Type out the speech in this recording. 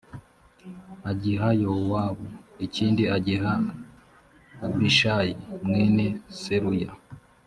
agiha yowabu ikindi agiha abishayi mwene seruya